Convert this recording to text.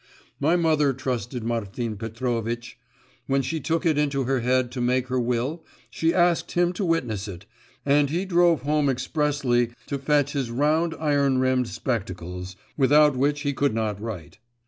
My mother trusted Martin Petrovitch: when she took it into her head to make her will, she asked him to witness it, and he drove home expressly to fetch his round iron rimmed spectacles, without which he could not write.